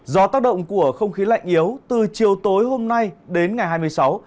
do tác động của không khí lạnh yếu từ chiều tối hôm nay đến ngày hai mươi sáu